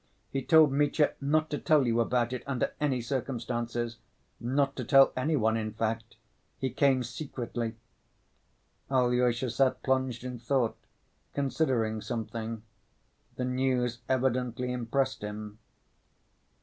He told Mitya not to tell you about it, under any circumstances; and not to tell any one, in fact. He came secretly." Alyosha sat plunged in thought, considering something. The news evidently impressed him.